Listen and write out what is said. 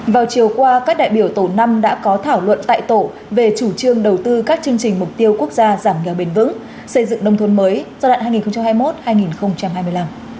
vào chiều qua các đại biểu tổ năm đã có thảo luận tại tổ về chủ trương đầu tư các chương trình mục tiêu quốc gia giảm nghèo bền vững xây dựng nông thôn mới giai đoạn hai nghìn hai mươi một hai nghìn hai mươi năm